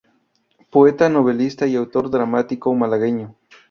Poeta, novelista y autor dramático malagueño.